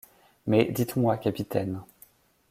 Mais, dites-moi, capitaine